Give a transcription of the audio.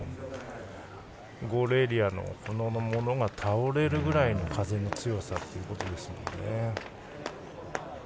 ゴールエリアのこのものが倒れるぐらいの風の強さということですもんね。